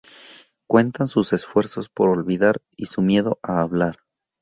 Cuentan sus esfuerzos por olvidar y su miedo a hablar.